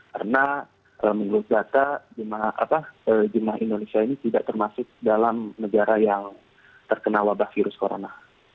karena menurut data jemaah indonesia ini tidak termasuk dalam negara yang terkena wabah virus corona